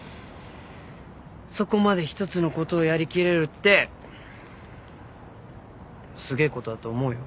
そこまで一つのことをやりきれるってすげえことだと思うよ。